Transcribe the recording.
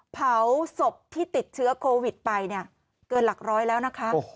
เผาศพที่ติดเชื้อโควิดไปเนี่ยเกินหลักร้อยแล้วนะคะ